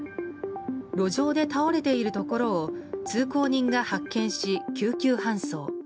路上で倒れているところを通行人が発見し、救急搬送。